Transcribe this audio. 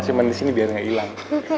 simpen disini biar gak hilang